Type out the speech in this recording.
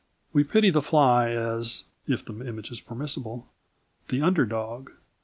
We pity the fly as (if the image is permissible) the underdog.